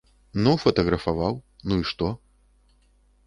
Ну фатаграфаваў, ну і што?